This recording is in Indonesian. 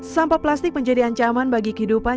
sampah plastik menjadi ancaman bagi kehidupan